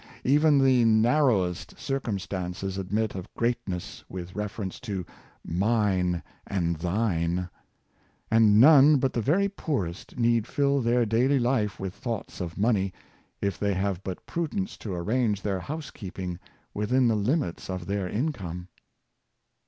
" Even the narrowest circumstances admit of greatness with refer ence to ^ mine and thine; ' and none but the very poor est need fill their daily life with thoughts of money, if they have but prudence to arrange their housekeeping within the limits of their income."